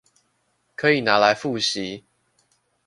可以拿來複習